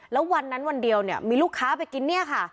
แล้ววันนั้นวันเดียวเนี่ยมีลูกค้าไปกินเนี่ยค่ะ